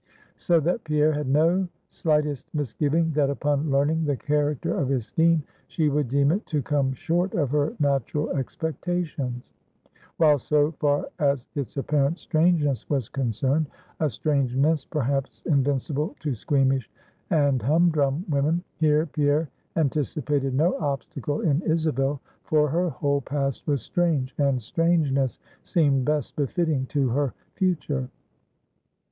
So that Pierre had no slightest misgiving that upon learning the character of his scheme, she would deem it to come short of her natural expectations; while so far as its apparent strangeness was concerned, a strangeness, perhaps invincible to squeamish and humdrum women here Pierre anticipated no obstacle in Isabel; for her whole past was strange, and strangeness seemed best befitting to her future.